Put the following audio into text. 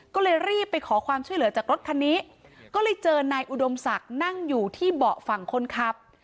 ก็เลยรีบไปขอความช่วยเหลือจากรถคันนี้ก็เลยเจอนายอุดมศักดิ์นั่งอยู่ที่เบาะฝั่งคนขับ